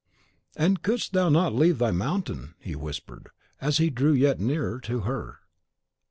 "And couldst thou not leave thy mountains?" he whispered, as he drew yet nearer to her.